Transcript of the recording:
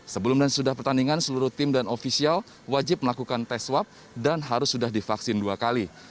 sebelum dan sudah pertandingan seluruh tim dan ofisial wajib melakukan tes swab dan harus sudah divaksin dua kali